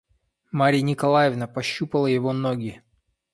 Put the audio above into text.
Марья Николаевна пощупала его ноги.